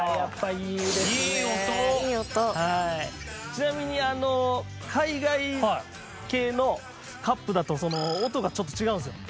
ちなみにあの海外系のカップだと音がちょっと違うんですよ。